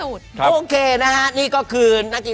โอเคนะครับนี่ก็คือ